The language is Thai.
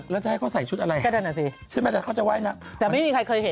พี่ปุ๊กอัญชีอรีหรอ